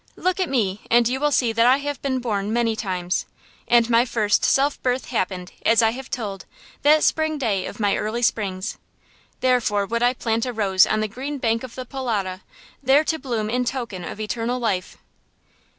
Look at me and you will see that I have been born many times. And my first self birth happened, as I have told, that spring day of my early springs. Therefore would I plant a rose on the green bank of the Polota, there to bloom in token of eternal life.